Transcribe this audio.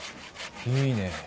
いいね。